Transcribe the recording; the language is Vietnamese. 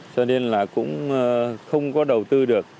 cho nên là cũng không có đầu tư được